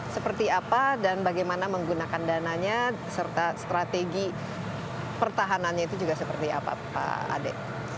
seperti apa dan bagaimana menggunakan dananya serta strategi pertahanannya itu juga seperti apa pak ade